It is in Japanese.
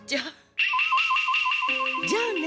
じゃあね。